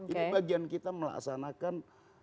ini bagian kita melaksanakan